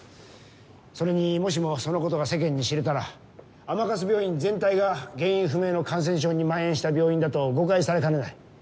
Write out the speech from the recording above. それにもしもそのことが世間に知れたら甘春病院全体が原因不明の感染症にまん延した病院だと誤解されかねない。